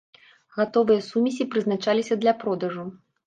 Гатовыя сумесі прызначаліся для продажу.